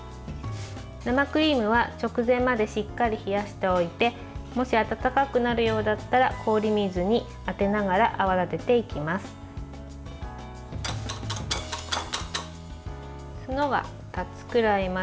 生クリームは直前までしっかり冷やしておいてもし温かくなるようだったら氷水に当てながら泡立てていきます。